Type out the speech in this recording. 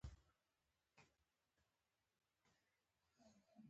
ژبې د افغان کلتور سره نږدې تړاو لري.